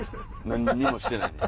何にもしてないね